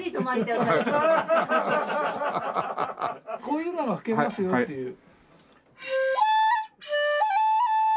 こういうのが吹けますよっていう。